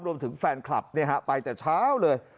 รวมถึงแฟนคลับไปแต่เช้าเลย